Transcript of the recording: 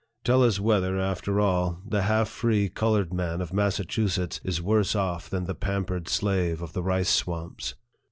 Tell us whether, after all, the half free colored man of Massachusetts is worse off than the pampered clave of the rice swamps